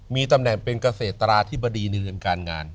มีตำแหน่งเป็นเกษตราธิบดีในเรื่องการงาน